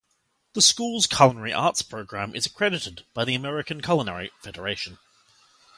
The school's culinary arts program is accredited by the American Culinary Federation.